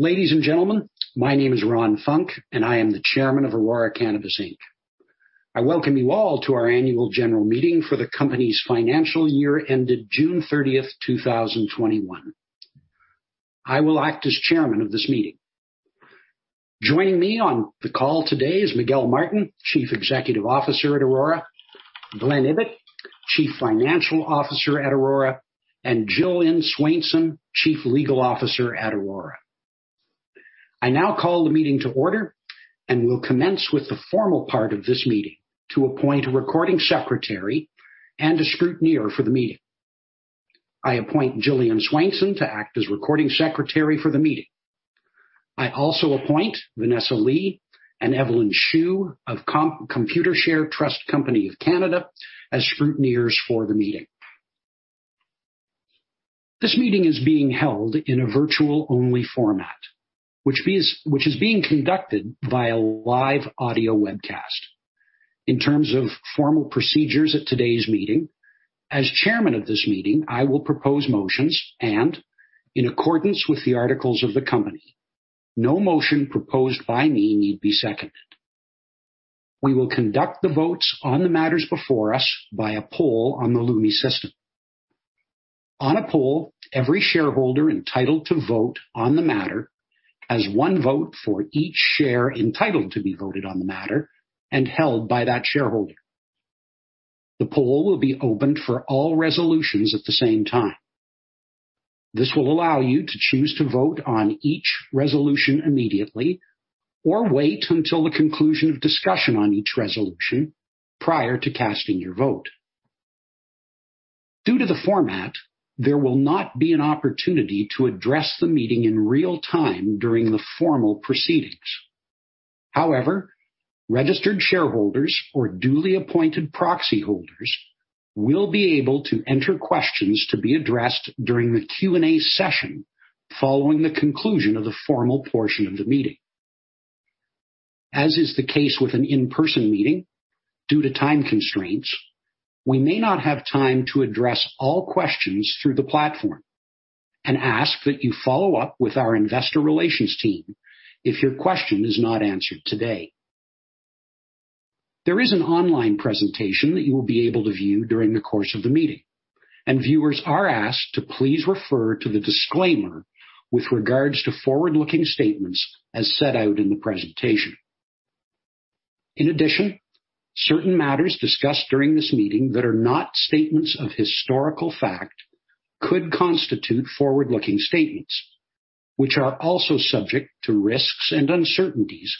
Ladies and gentlemen, my name is Ron Funk, and I am the Chairman of Aurora Cannabis, Inc. I welcome you all to our annual general meeting for the company's financial year ended June 30, 2021. I will act as chairman of this meeting. Joining me on the call today is Miguel Martin, Chief Executive Officer at Aurora, Glen Ibbott, Chief Financial Officer at Aurora, and Jillian Swainson, Chief Legal Officer at Aurora. I now call the meeting to order and will commence with the formal part of this meeting to appoint a recording secretary and a scrutineer for the meeting. I appoint Jillian Swainson to act as recording secretary for the meeting. I also appoint Vanessa Lee and Evelyn Shu of Computershare Trust Company of Canada as scrutineers for the meeting. This meeting is being held in a virtual-only format, which is being conducted via live audio webcast. In terms of formal procedures at today's meeting, as Chairman of this meeting, I will propose motions and in accordance with the articles of the company, no motion proposed by me need be seconded. We will conduct the votes on the matters before us by a poll on the Lumi system. On a poll, every shareholder entitled to vote on the matter has one vote for each share entitled to be voted on the matter and held by that shareholder. The poll will be opened for all resolutions at the same time. This will allow you to choose to vote on each resolution immediately or wait until the conclusion of discussion on each resolution prior to casting your vote. Due to the format, there will not be an opportunity to address the meeting in real-time during the formal proceedings. However, registered shareholders or duly appointed proxy holders will be able to enter questions to be addressed during the Q&A session following the conclusion of the formal portion of the meeting. As is the case with an in-person meeting, due to time constraints, we may not have time to address all questions through the platform and ask that you follow up with our investor relations team if your question is not answered today. There is an online presentation that you will be able to view during the course of the meeting, and viewers are asked to please refer to the disclaimer with regards to forward-looking statements as set out in the presentation. In addition, certain matters discussed during this meeting that are not statements of historical fact could constitute forward-looking statements, which are also subject to risks and uncertainties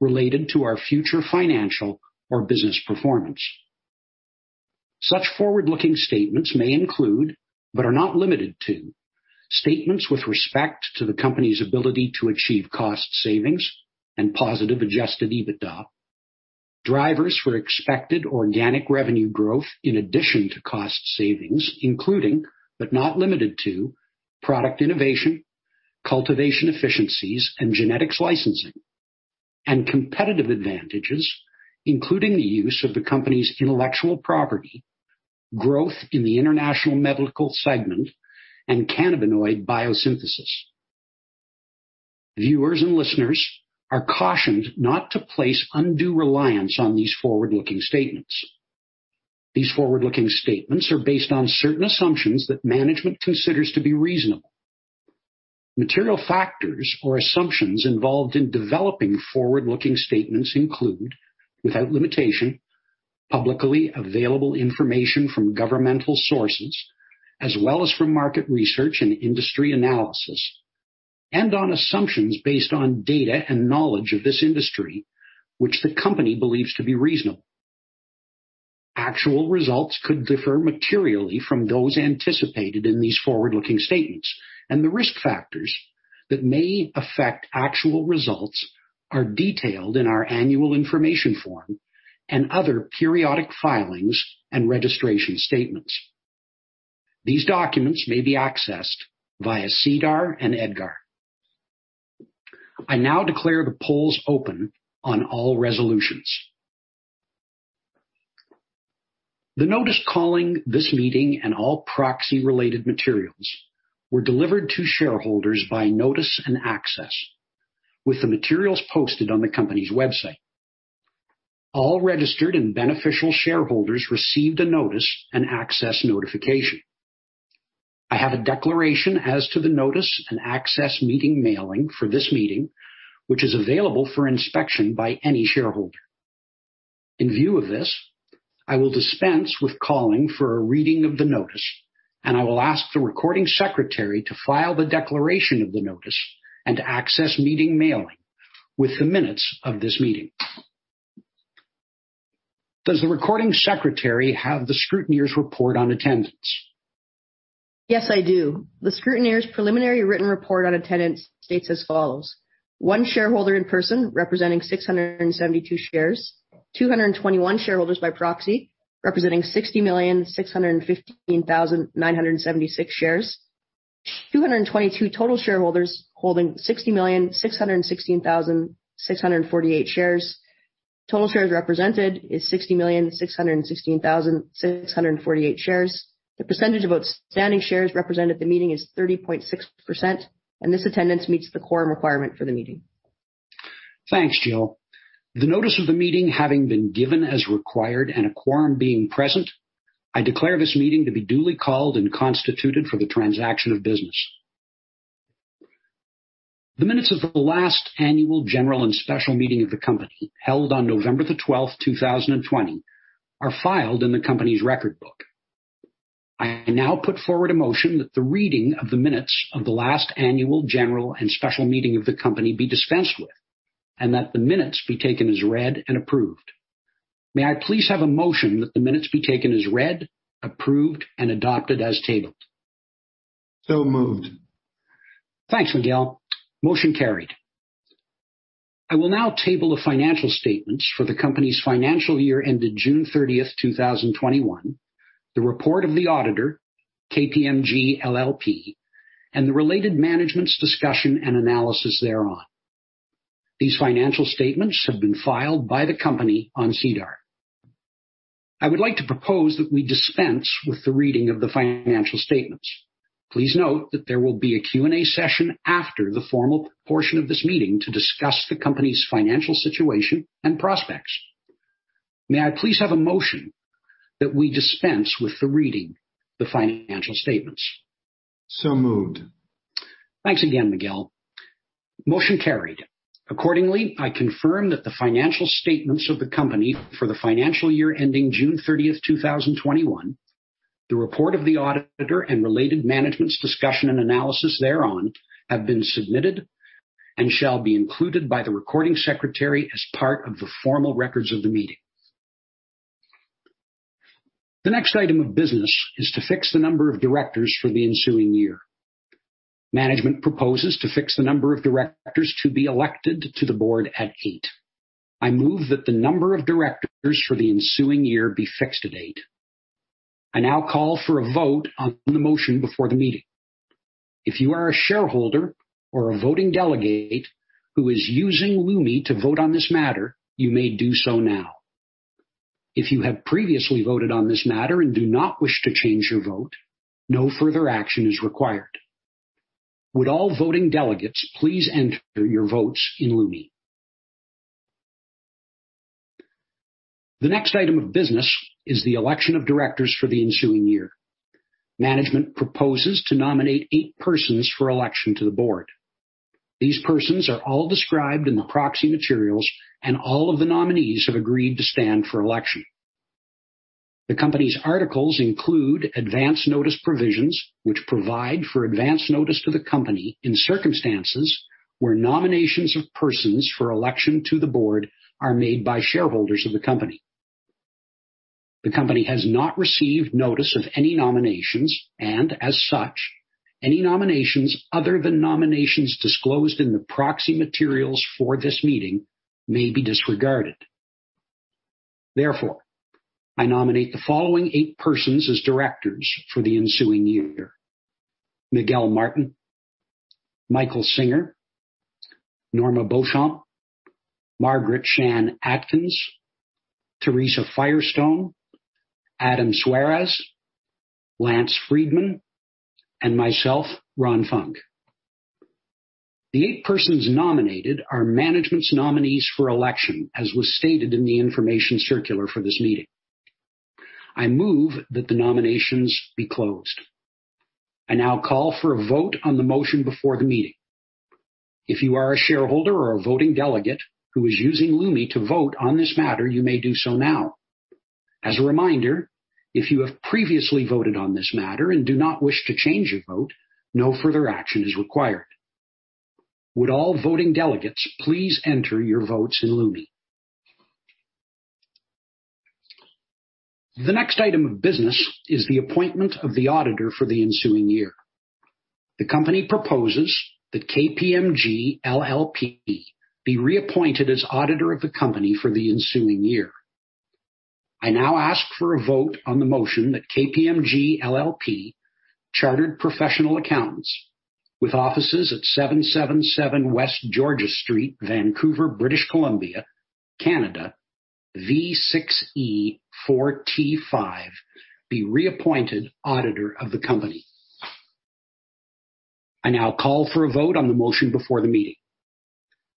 related to our future financial or business performance. Such forward-looking statements may include, but are not limited to, statements with respect to the company's ability to achieve cost savings and positive adjusted EBITDA, drivers for expected organic revenue growth in addition to cost savings, including, but not limited to product innovation, cultivation efficiencies, and genetics licensing, and competitive advantages, including the use of the company's intellectual property, growth in the international medical segment, and cannabinoid biosynthesis. Viewers and listeners are cautioned not to place undue reliance on these forward-looking statements. These forward-looking statements are based on certain assumptions that management considers to be reasonable. Material factors or assumptions involved in developing forward-looking statements include, without limitation, publicly available information from governmental sources, as well as from market research and industry analysis, and on assumptions based on data and knowledge of this industry which the company believes to be reasonable. Actual results could differ materially from those anticipated in these forward-looking statements, and the risk factors that may affect actual results are detailed in our annual information form and other periodic filings and registration statements. These documents may be accessed via SEDAR and EDGAR. I now declare the polls open on all resolutions. The notice calling this meeting and all proxy-related materials were delivered to shareholders by Notice and Access, with the materials posted on the company's website. All registered and beneficial shareholders received a Notice and Access notification. I have a declaration as to the Notice and Access meeting mailing for this meeting, which is available for inspection by any shareholder. In view of this, I will dispense with calling for a reading of the notice, and I will ask the recording secretary to file the declaration of the Notice and Access meeting mailing with the minutes of this meeting. Does the recording secretary have the scrutineer's report on attendance? Yes, I do. The scrutineer's preliminary written report on attendance states as follows. One shareholder in person representing 672 shares. 221 shareholders by proxy, representing 60,615,976 shares. 222 total shareholders holding 60,616,648 shares. Total shares represented is 60,616,648 shares. The percentage of outstanding shares represented at the meeting is 30.6%, and this attendance meets the quorum requirement for the meeting. Thanks, Jill. The notice of the meeting having been given as required and a quorum being present, I declare this meeting to be duly called and constituted for the transaction of business. The minutes of the last annual general and special meeting of the company, held on November 12, 2020, are filed in the company's record book. I now put forward a motion that the reading of the minutes of the last annual general and special meeting of the company be dispensed with, and that the minutes be taken as read and approved. May I please have a motion that the minutes be taken as read, approved, and adopted as tabled. Moved. Thanks, Miguel. Motion carried. I will now table the financial statements for the company's financial year ended June 30, 2021, the report of the auditor, KPMG LLP, and the related management's discussion and analysis thereon. These financial statements have been filed by the company on SEDAR. I would like to propose that we dispense with the reading of the financial statements. Please note that there will be a Q&A session after the formal portion of this meeting to discuss the company's financial situation and prospects. May I please have a motion that we dispense with the reading the financial statements. Moved. Thanks again, Miguel. Motion carried. Accordingly, I confirm that the financial statements of the company for the financial year ending June 30, 2021, the report of the auditor and related management's discussion and analysis thereon, have been submitted and shall be included by the recording secretary as part of the formal records of the meeting. The next item of business is to fix the number of directors for the ensuing year. Management proposes to fix the number of directors to be elected to the board at eight. I move that the number of directors for the ensuing year be fixed at eight. I now call for a vote on the motion before the meeting. If you are a shareholder or a voting delegate who is using Lumi to vote on this matter, you may do so now. If you have previously voted on this matter and do not wish to change your vote, no further action is required. Would all voting delegates please enter your votes in Lumi? The next item of business is the election of directors for the ensuing year. Management proposes to nominate eight persons for election to the board. These persons are all described in the proxy materials and all of the nominees have agreed to stand for election. The company's articles include advance notice provisions, which provide for advance notice to the company in circumstances where nominations of persons for election to the board are made by shareholders of the company. The company has not received notice of any nominations, and as such, any nominations other than nominations disclosed in the proxy materials for this meeting may be disregarded. Therefore, I nominate the following eight persons as directors for the ensuing year: Miguel Martin, Michael Singer, Norma Beauchamp, Margaret Shan Atkins, Theresa Firestone, Adam Szweras, Lance Friedman and myself, Ronald Funk. The eight persons nominated are management's nominees for election, as was stated in the information circular for this meeting. I move that the nominations be closed. I now call for a vote on the motion before the meeting. If you are a shareholder or a voting delegate who is using Lumi to vote on this matter, you may do so now. As a reminder, if you have previously voted on this matter and do not wish to change your vote, no further action is required. Would all voting delegates please enter your votes in Lumi. The next item of business is the appointment of the auditor for the ensuing year. The company proposes that KPMG LLP be reappointed as auditor of the company for the ensuing year. I now ask for a vote on the motion that KPMG LLP, chartered professional accountants with offices at 777 West Georgia Street, Vancouver, British Columbia, Canada, V6E 4T5, be reappointed auditor of the company. I now call for a vote on the motion before the meeting.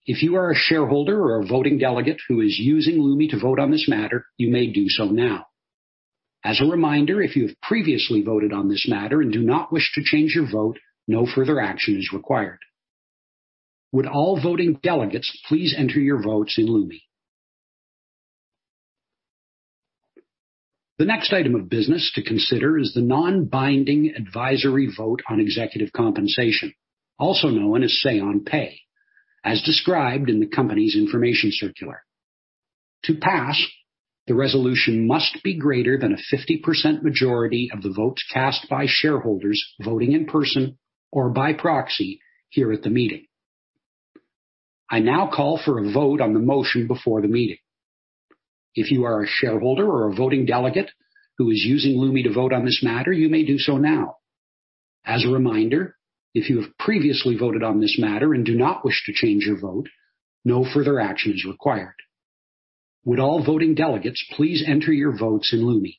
If you are a shareholder or a voting delegate who is using Lumi to vote on this matter, you may do so now. As a reminder, if you have previously voted on this matter and do not wish to change your vote, no further action is required. Would all voting delegates please enter your votes in Lumi? The next item of business to consider is the non-binding advisory vote on executive compensation, also known as say on pay, as described in the company's information circular. To pass, the resolution must be greater than a 50% majority of the votes cast by shareholders voting in person or by proxy here at the meeting. I now call for a vote on the motion before the meeting. If you are a shareholder or a voting delegate who is using Lumi to vote on this matter, you may do so now. As a reminder, if you have previously voted on this matter and do not wish to change your vote, no further action is required. Would all voting delegates please enter your votes in Lumi?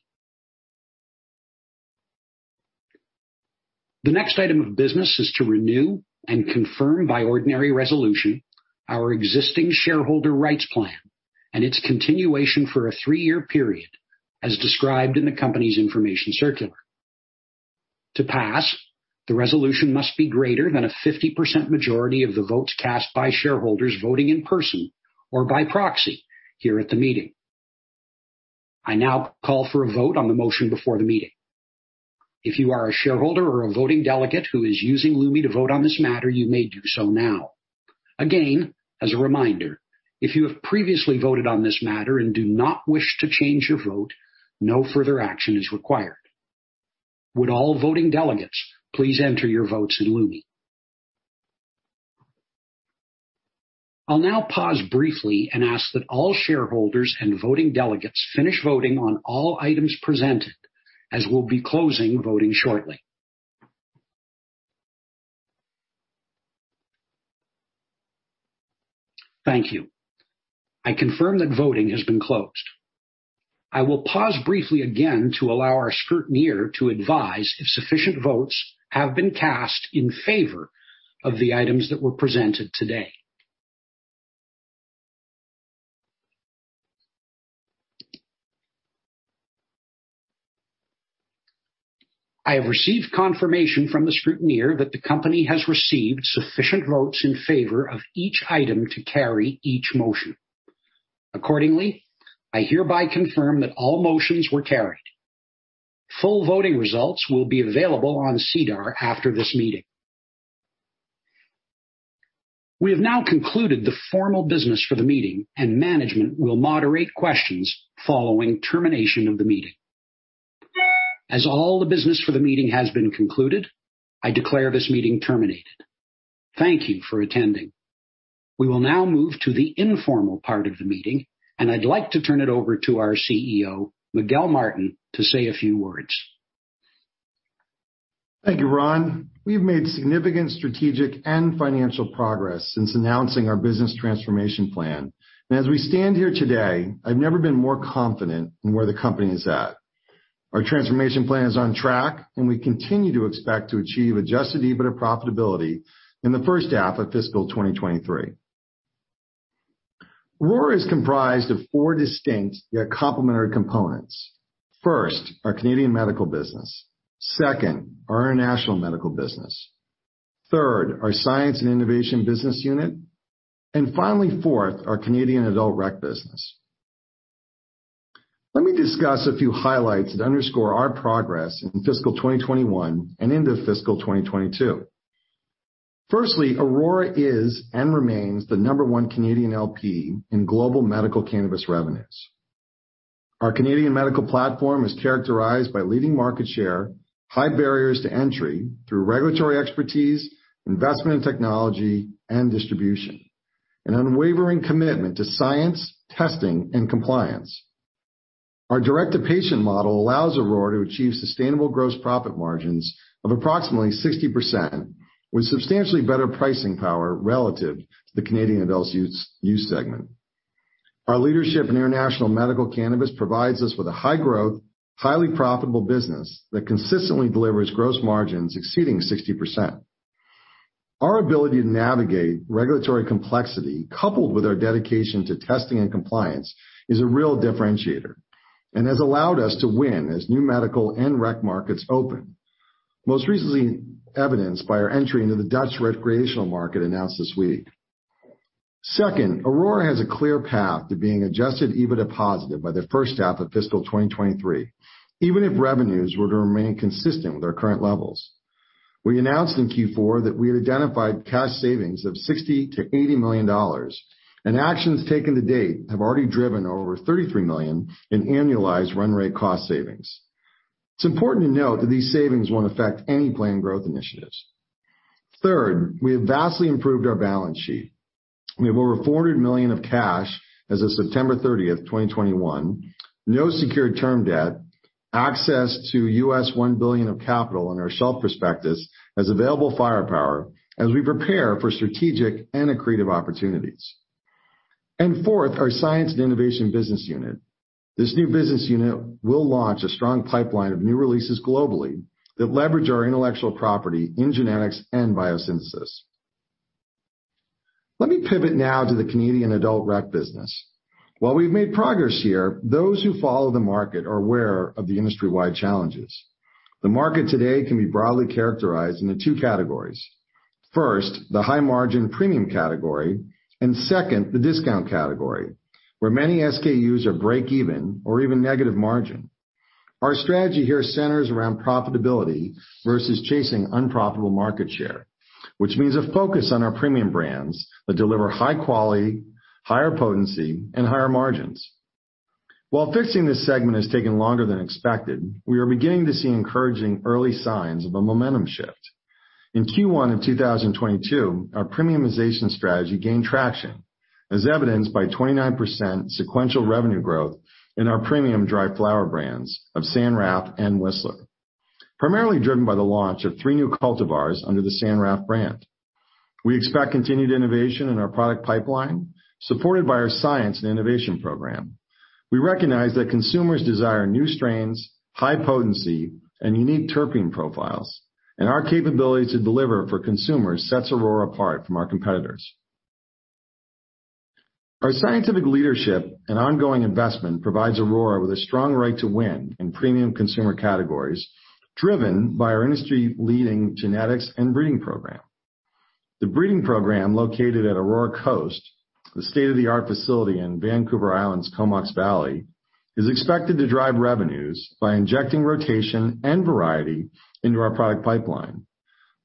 The next item of business is to renew and confirm by ordinary resolution our existing shareholder rights plan and its continuation for a three-year period, as described in the company's information circular. To pass, the resolution must be greater than a 50% majority of the votes cast by shareholders voting in person or by proxy here at the meeting. I now call for a vote on the motion before the meeting. If you are a shareholder or a voting delegate who is using Lumi to vote on this matter, you may do so now. Again, as a reminder, if you have previously voted on this matter and do not wish to change your vote, no further action is required. Would all voting delegates please enter your votes in Lumi. I'll now pause briefly and ask that all shareholders and voting delegates finish voting on all items presented, as we'll be closing voting shortly. Thank you. I confirm that voting has been closed. I will pause briefly again to allow our scrutineer to advise if sufficient votes have been cast in favor of the items that were presented today. I have received confirmation from the scrutineer that the company has received sufficient votes in favor of each item to carry each motion. Accordingly, I hereby confirm that all motions were carried. Full voting results will be available on SEDAR after this meeting. We have now concluded the formal business for the meeting, and management will moderate questions following termination of the meeting. As all the business for the meeting has been concluded, I declare this meeting terminated. Thank you for attending. We will now move to the informal part of the meeting, and I'd like to turn it over to our CEO, Miguel Martin, to say a few words. Thank you, Ron. We've made significant strategic and financial progress since announcing our business transformation plan. As we stand here today, I've never been more confident in where the company is at. Our transformation plan is on track, and we continue to expect to achieve adjusted EBITDA profitability in the first half of fiscal 2023. Aurora is comprised of four distinct, yet complementary components. First, our Canadian medical business. Second, our international medical business. Third, our science and innovation business unit. And finally, fourth, our Canadian adult rec business. Let me discuss a few highlights that underscore our progress in fiscal 2021 and into fiscal 2022. Firstly, Aurora is and remains the number one Canadian LP in global medical cannabis revenues. Our Canadian medical platform is characterized by leading market share, high barriers to entry through regulatory expertise, investment in technology and distribution, an unwavering commitment to science, testing, and compliance. Our direct-to-patient model allows Aurora to achieve sustainable gross profit margins of approximately 60% with substantially better pricing power relative to the Canadian adult-use segment. Our leadership in international medical cannabis provides us with a high growth, highly profitable business that consistently delivers gross margins exceeding 60%. Our ability to navigate regulatory complexity, coupled with our dedication to testing and compliance, is a real differentiator and has allowed us to win as new medical and rec markets open. Most recently evidenced by our entry into the Dutch recreational market announced this week. Second, Aurora has a clear path to being adjusted EBITDA positive by the first half of fiscal 2023, even if revenues were to remain consistent with our current levels. We announced in Q4 that we had identified cash savings of 60 million-80 million dollars, and actions taken to date have already driven over 33 million in annualized run rate cost savings. It's important to note that these savings won't affect any planned growth initiatives. Third, we have vastly improved our balance sheet. We have over 400 million of cash as of September 30, 2021, no secured term debt, access to U.S. $1 billion of capital in our shelf prospectus as available firepower as we prepare for strategic and accretive opportunities. Fourth, our Science and Innovation business unit. This new business unit will launch a strong pipeline of new releases globally that leverage our intellectual property in genetics and biosynthesis. Let me pivot now to the Canadian adult rec business. While we've made progress here, those who follow the market are aware of the industry-wide challenges. The market today can be broadly characterized into two categories. First, the high margin premium category, and second, the discount category, where many SKUs are break even or even negative margin. Our strategy here centers around profitability versus chasing unprofitable market share, which means a focus on our premium brands that deliver high quality, higher potency, and higher margins. While fixing this segment has taken longer than expected, we are beginning to see encouraging early signs of a momentum shift. In Q1 in 2022, our premiumization strategy gained traction as evidenced by 29% sequential revenue growth in our premium dry flower brands of San Rafael '71 and Whistler, primarily driven by the launch of three new cultivars under the San Rafael '71 brand. We expect continued innovation in our product pipeline, supported by our Science and Innovation program. We recognize that consumers desire new strains, high potency, and unique terpene profiles, and our capability to deliver for consumers sets Aurora apart from our competitors. Our scientific leadership and ongoing investment provides Aurora with a strong right to win in premium consumer categories, driven by our industry-leading genetics and breeding program. The breeding program located at Aurora Coast, the state-of-the-art facility in Vancouver Island's Comox Valley, is expected to drive revenues by injecting rotation and variety into our product pipeline,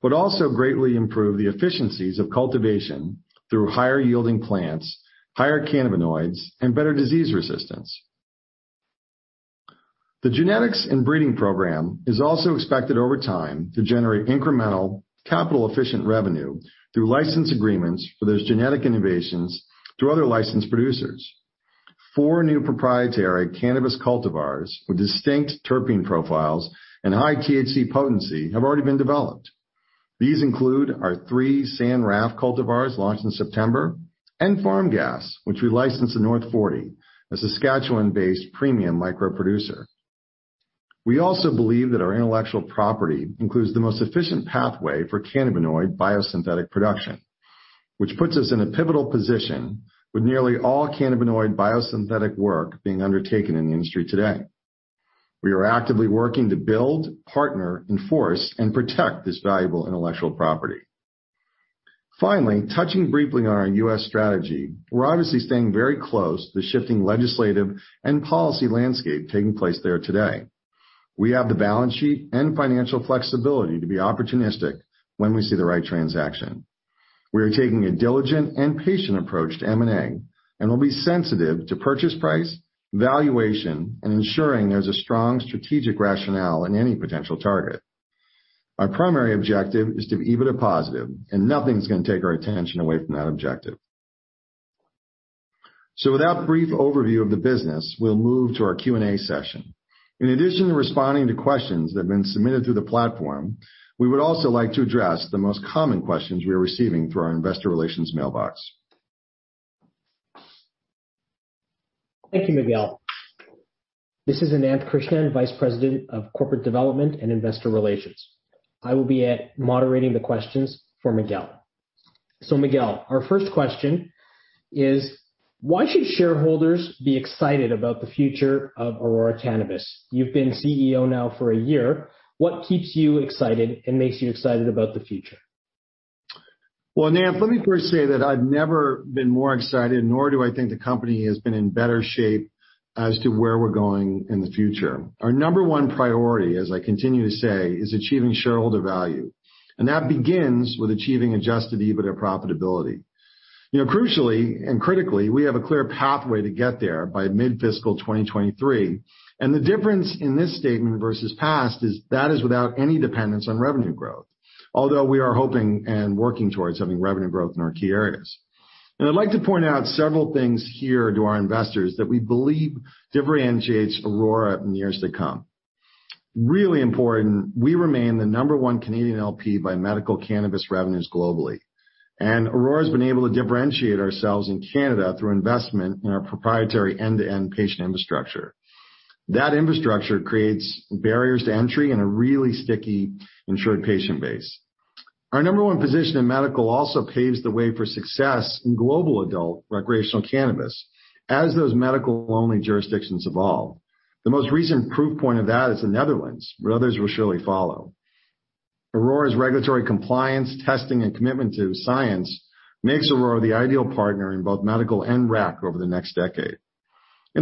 but also greatly improve the efficiencies of cultivation through higher-yielding plants, higher cannabinoids, and better disease resistance. The genetics and breeding program is also expected over time to generate incremental capital-efficient revenue through license agreements for those genetic innovations to other licensed producers. Four new proprietary cannabis cultivars with distinct terpene profiles and high THC potency have already been developed. These include our three San Rafael '71 cultivars launched in September, and Farm Gas, which we licensed to North 40, a Saskatchewan-based premium micro producer. We also believe that our intellectual property includes the most efficient pathway for cannabinoid biosynthesis, which puts us in a pivotal position with nearly all cannabinoid biosynthesis work being undertaken in the industry today. We are actively working to build, partner, enforce, and protect this valuable intellectual property. Finally, touching briefly on our U.S. strategy, we're obviously staying very close to the shifting legislative and policy landscape taking place there today. We have the balance sheet and financial flexibility to be opportunistic when we see the right transaction. We are taking a diligent and patient approach to M&A, and will be sensitive to purchase price, valuation, and ensuring there's a strong strategic rationale in any potential target. Our primary objective is to EBITDA positive, and nothing's gonna take our attention away from that objective. With that brief overview of the business, we'll move to our Q&A session. In addition to responding to questions that have been submitted through the platform, we would also like to address the most common questions we are receiving through our investor relations mailbox. Thank you, Miguel. This is Ananth Krishnan, Vice President of Corporate Development and Investor Relations. I will be moderating the questions for Miguel. Miguel, our first question is, why should shareholders be excited about the future of Aurora Cannabis? You've been CEO now for a year. What keeps you excited and makes you excited about the future? Well, Ananth, let me first say that I've never been more excited, nor do I think the company has been in better shape as to where we're going in the future. Our number one priority, as I continue to say, is achieving shareholder value, and that begins with achieving adjusted EBITDA profitability. You know, crucially and critically, we have a clear pathway to get there by mid-fiscal 2023, and the difference in this statement versus past is that is without any dependence on revenue growth, although we are hoping and working towards having revenue growth in our key areas. I'd like to point out several things here to our investors that we believe differentiates Aurora in the years to come. Really important, we remain the number one Canadian LP by medical cannabis revenues globally, and Aurora has been able to differentiate ourselves in Canada through investment in our proprietary end-to-end patient infrastructure. That infrastructure creates barriers to entry and a really sticky insured patient base. Our number one position in medical also paves the way for success in global adult recreational cannabis as those medical-only jurisdictions evolve. The most recent proof point of that is the Netherlands, but others will surely follow. Aurora's regulatory compliance testing and commitment to science makes Aurora the ideal partner in both medical and rec over the next decade.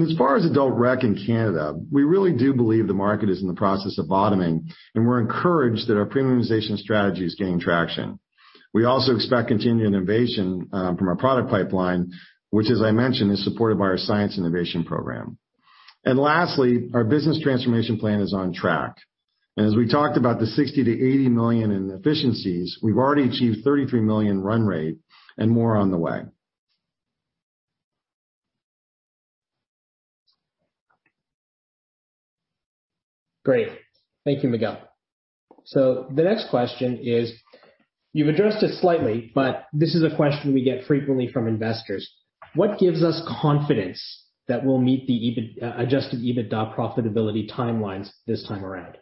As far as adult rec in Canada, we really do believe the market is in the process of bottoming, and we're encouraged that our premiumization strategy is gaining traction. We also expect continued innovation from our product pipeline, which as I mentioned, is supported by our Science and Innovation program. Lastly, our business transformation plan is on track. As we talked about the 60 million-80 million in efficiencies, we've already achieved 33 million run rate and more on the way. Great. Thank you, Miguel. The next question is, you've addressed it slightly, but this is a question we get frequently from investors. What gives us confidence that we'll meet the adjusted EBITDA profitability timelines this time around?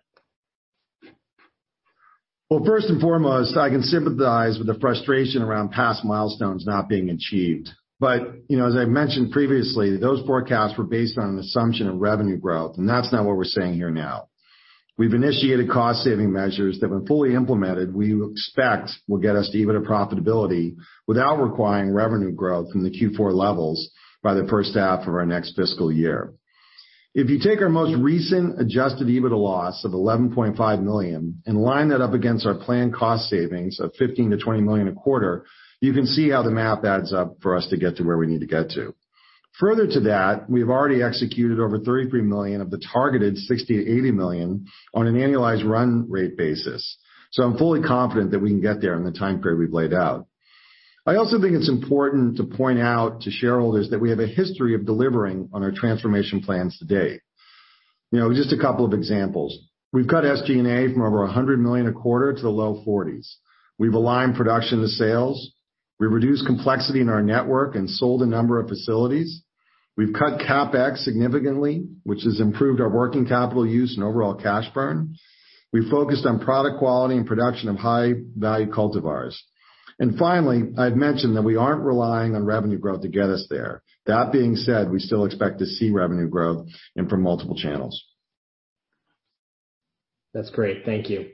Well, first and foremost, I can sympathize with the frustration around past milestones not being achieved. You know, as I mentioned previously, those forecasts were based on an assumption of revenue growth, and that's not what we're saying here now. We've initiated cost saving measures that when fully implemented, we expect will get us to EBITDA profitability without requiring revenue growth from the Q4 levels by the first half of our next fiscal year. If you take our most recent adjusted EBITDA loss of 11.5 million and line that up against our planned cost savings of 15 million-20 million a quarter, you can see how the math adds up for us to get to where we need to get to. Further to that, we have already executed over 33 million of the targeted 60 million-80 million on an annualized run rate basis. I'm fully confident that we can get there in the time frame we've laid out. I also think it's important to point out to shareholders that we have a history of delivering on our transformation plans to date. You know, just a couple of examples. We've cut SG&A from over 100 million a quarter to the low 40s. We've aligned production to sales. We've reduced complexity in our network and sold a number of facilities. We've cut CapEx significantly, which has improved our working capital use and overall cash burn. We've focused on product quality and production of high-value cultivars. Finally, I'd mentioned that we aren't relying on revenue growth to get us there. That being said, we still expect to see revenue growth and from multiple channels. That's great. Thank you.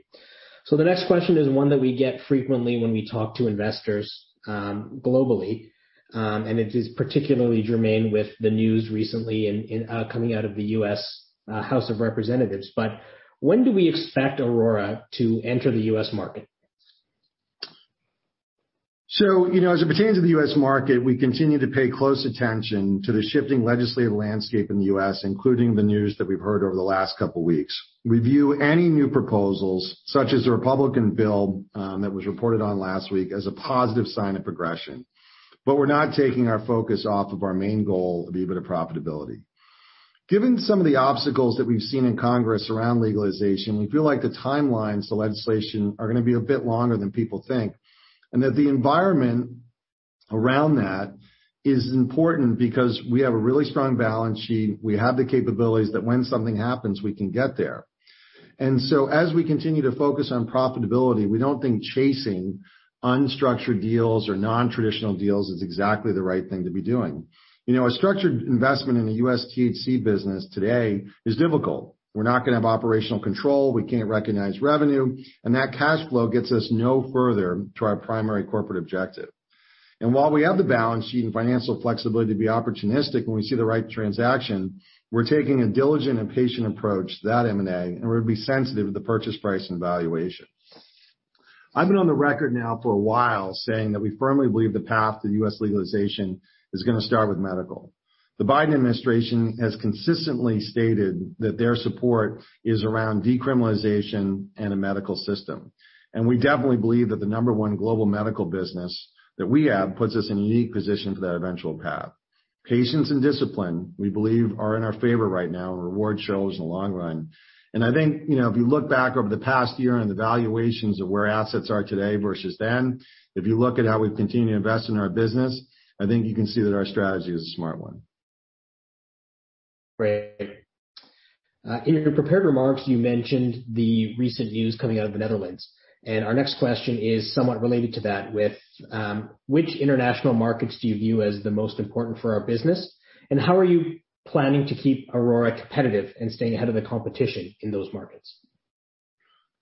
The next question is one that we get frequently when we talk to investors, globally, and it is particularly germane with the news recently and coming out of the U.S. House of Representatives. When do we expect Aurora to enter the U.S. market? You know, as it pertains to the U.S. market, we continue to pay close attention to the shifting legislative landscape in the U.S., including the news that we've heard over the last couple weeks. We view any new proposals, such as the Republican bill that was reported on last week, as a positive sign of progression. We're not taking our focus off of our main goal of EBITDA profitability. Given some of the obstacles that we've seen in Congress around legalization, we feel like the timelines to legislation are gonna be a bit longer than people think, and that the environment around that is important because we have a really strong balance sheet, we have the capabilities that when something happens, we can get there. As we continue to focus on profitability, we don't think chasing unstructured deals or nontraditional deals is exactly the right thing to be doing. You know, a structured investment in a U.S. THC business today is difficult. We're not gonna have operational control, we can't recognize revenue, and that cash flow gets us no further to our primary corporate objective. While we have the balance sheet and financial flexibility to be opportunistic when we see the right transaction, we're taking a diligent and patient approach to that M&A, and we're gonna be sensitive to the purchase price and valuation. I've been on the record now for a while saying that we firmly believe the path to U.S. legalization is gonna start with medical. The Biden administration has consistently stated that their support is around decriminalization and a medical system, and we definitely believe that the number one global medical business that we have puts us in a unique position for that eventual path. Patience and discipline, we believe, are in our favor right now, and reward shows in the long run. I think, you know, if you look back over the past year and the valuations of where assets are today versus then, if you look at how we've continued to invest in our business, I think you can see that our strategy is a smart one. Great. In your prepared remarks, you mentioned the recent news coming out of the Netherlands, and our next question is somewhat related to that with, which international markets do you view as the most important for our business, and how are you planning to keep Aurora competitive and staying ahead of the competition in those markets?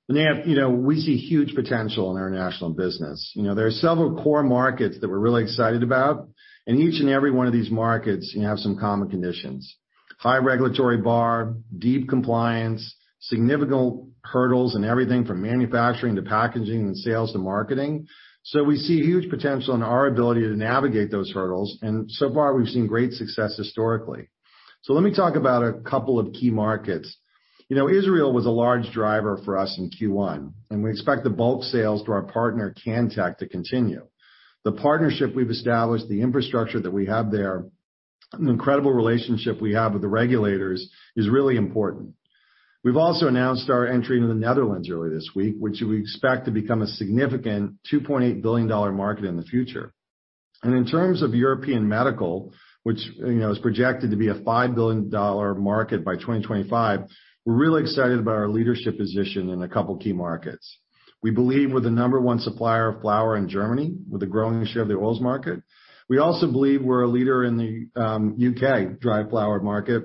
Nav, you know, we see huge potential in our international business. You know, there are several core markets that we're really excited about, and each and every one of these markets, you have some common conditions. High regulatory bar, deep compliance, significant hurdles in everything from manufacturing to packaging and sales to marketing. We see huge potential in our ability to navigate those hurdles, and so far we've seen great success historically. Let me talk about a couple of key markets. You know, Israel was a large driver for us in Q1, and we expect the bulk sales to our partner, Cantek, to continue. The partnership we've established, the infrastructure that we have there, and the incredible relationship we have with the regulators is really important. We've also announced our entry into the Netherlands earlier this week, which we expect to become a significant 2.8 billion dollar market in the future. In terms of European medical, which, you know, is projected to be a 5 billion dollar market by 2025, we're really excited about our leadership position in a couple key markets. We believe we're the number one supplier of flower in Germany, with a growing share of the oils market. We also believe we're a leader in the U.K. dried flower market,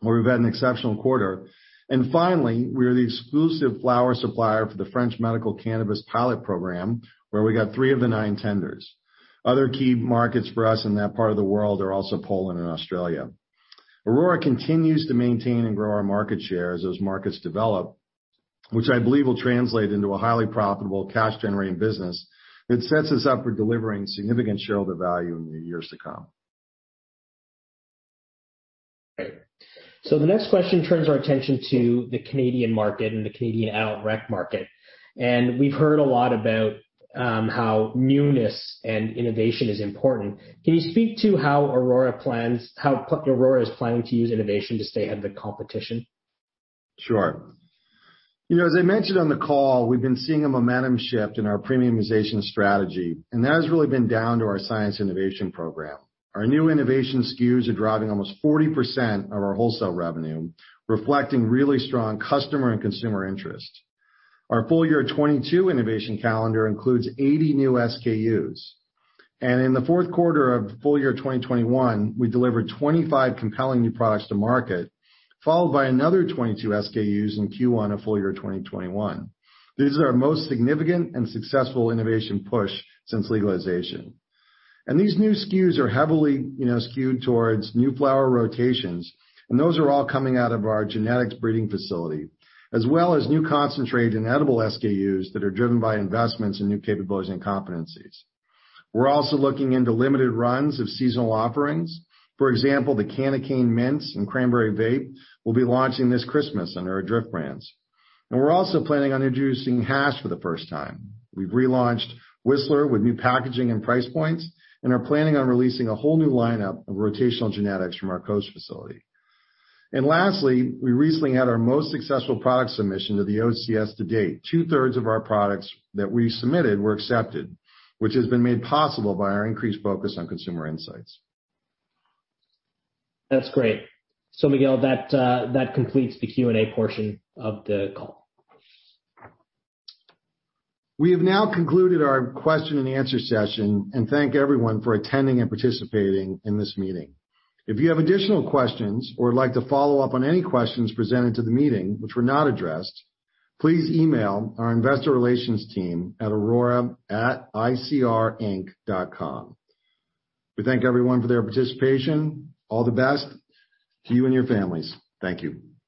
where we've had an exceptional quarter. Finally, we're the exclusive flower supplier for the French medical cannabis pilot program, where we got three of the nine tenders. Other key markets for us in that part of the world are also Poland and Australia. Aurora continues to maintain and grow our market share as those markets develop, which I believe will translate into a highly profitable cash-generating business that sets us up for delivering significant shareholder value in the years to come. Great. The next question turns our attention to the Canadian market and the Canadian adult rec market. We've heard a lot about how newness and innovation is important. Can you speak to how Aurora is planning to use innovation to stay ahead of the competition? Sure. You know, as I mentioned on the call, we've been seeing a momentum shift in our premiumization strategy, and that has really been down to our Science and Innovation program. Our new innovation SKUs are driving almost 40% of our wholesale revenue, reflecting really strong customer and consumer interest. Our full year 2022 innovation calendar includes 80 new SKUs. In the fourth quarter of full year 2021, we delivered 25 compelling new products to market, followed by another 22 SKUs in Q1 of full year 2021. This is our most significant and successful innovation push since legalization. These new SKUs are heavily, you know, skewed towards new flower rotations, and those are all coming out of our genetics breeding facility, as well as new concentrate and edible SKUs that are driven by investments in new capabilities and competencies. We're also looking into limited runs of seasonal offerings. For example, the Candy Cane Mints and Cranberry Vape will be launching this Christmas under our Drift brands. We're also planning on introducing hash for the first time. We've relaunched Whistler with new packaging and price points and are planning on releasing a whole new lineup of rotational genetics from our Coast facility. Lastly, we recently had our most successful product submission to the OCS to date. Two-thirds of our products that we submitted were accepted, which has been made possible by our increased focus on consumer insights. That's great. Miguel, that completes the Q&A portion of the call. We have now concluded our question and answer session, and we thank everyone for attending and participating in this meeting. If you have additional questions or would like to follow up on any questions presented to the meeting which were not addressed, please email our investor relations team at aurora@icrinc.com. We thank everyone for their participation. All the best to you and your families. Thank you.